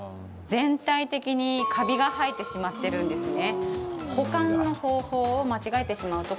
全体的にカビが生えてしまってるんですね。